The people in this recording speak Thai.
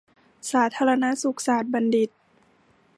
สาธารณสุขศาสตรบัณฑิต